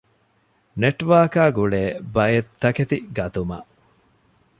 ނެޓްވާރކާގުޅޭ ބައެއްތަކެތި ގަތުމަށް